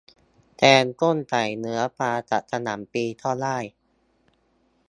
แกงส้ม ใส่เนื้อปลา กับกะหล่ำปลีก็ได้